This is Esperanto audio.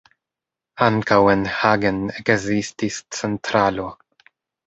Ankaŭ en Hagen ekzistis centralo.